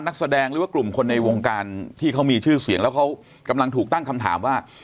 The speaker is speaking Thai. นักแสดงหรือว่ากลุ่มคนในวงการที่เขามีชื่อเสียงแล้วเขากำลังถูกตั้งคำถามว่า